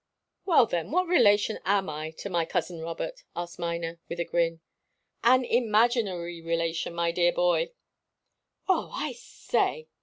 "Well then, what relation am I to my cousin Robert?" asked Miner, with a grin. "An imaginary relation, my dear boy." "Oh, I say!